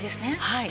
はい。